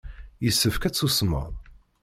Yessefk ad tsusmeḍ.